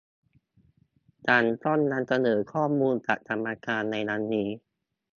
ฉันต้องนำเสนอข้อมูลกับกรรมการในวันนี้